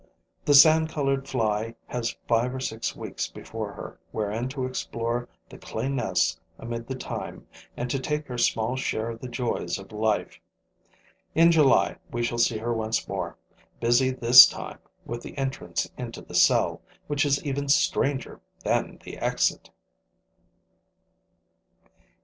The sand colored fly has five or six weeks before her, wherein to explore the clay nests amid the thyme and to take her small share of the joys of life. In July, we shall see her once more, busy this time with the entrance into the cell, which is even stranger than the exit.